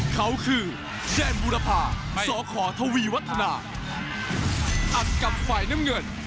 เขาคือบังรอดสายยันยิ่ม